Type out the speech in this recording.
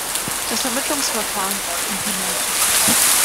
Das Vermittlungsverfahren ist unvermeidlich.